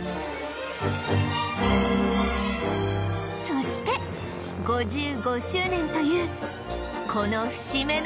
そして５５周年というこの節目の年に